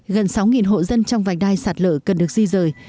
gần sáu hộ dân trong vành đai sạt lở cần được di rời